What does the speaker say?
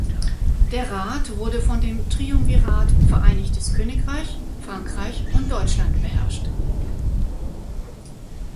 Der Rat wurde von dem Triumvirat Vereinigtes Königreich, Frankreich und Deutschland beherrscht.